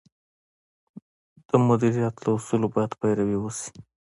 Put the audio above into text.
د مدیریت له اصولو باید پیروي وشي.